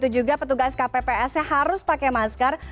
juga petugas kpps harus pakai masker